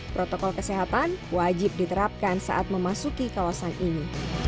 protokol kesehatan wajib diterapkan saat memasuki kawasan ini